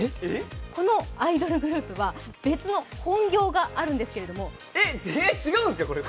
このアイドルグループは別の本業があるんですけども。